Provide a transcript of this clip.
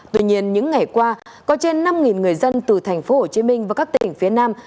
tuy nhiên những ngày qua có trên năm người dân từ tp hcm và các tỉnh phía nam